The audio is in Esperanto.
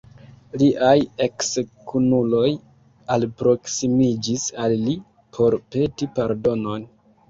Liaj eks-kunuloj alproksimiĝis al li por peti pardonon.